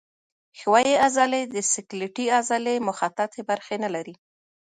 ښویې عضلې د سکلیټي عضلې مخططې برخې نه لري.